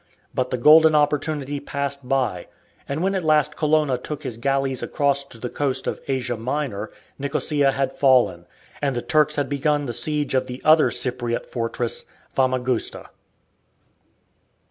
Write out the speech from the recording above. But the golden opportunity passed by, and when at last Colonna took his galleys across to the coast of Asia Minor, Nicosia had fallen, and the Turks had begun the siege of the other Cypriote fortress, Famagusta.